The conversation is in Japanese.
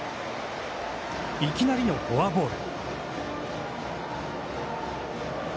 いきなりのフォアボール。